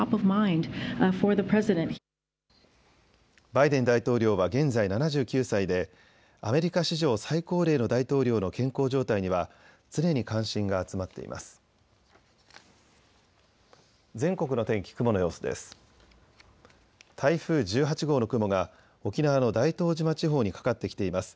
バイデン大統領は現在７９歳でアメリカ史上、最高齢の大統領の健康状態には常に関心が集まっています。